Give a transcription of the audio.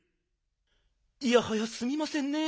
いやはやすみませんね。